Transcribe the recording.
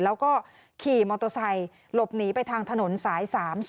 แล้วก็ขี่มอเตอร์ไซค์หลบหนีไปทางถนนสาย๓๐